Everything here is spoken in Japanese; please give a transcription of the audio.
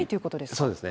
そうですね。